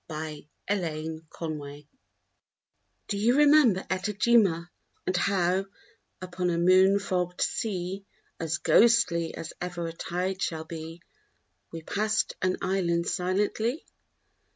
A WORD'S MAGIC Do you remember Etajima, And how, upon a moon fogged sea, As ghostly as ever a tide shall be, We passed an island silently?